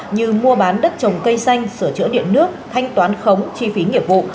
như mua bán đất trồng cây xanh sửa chữa điện nước thanh toán khống chi phí nghiệp vụ